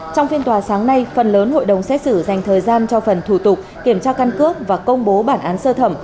trong phiên tòa sáng nay phần lớn hội đồng xét xử dành thời gian cho phần thủ tục kiểm tra căn cước và công bố bản án sơ thẩm